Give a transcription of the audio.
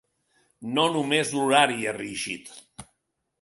No només l’horari és rígid.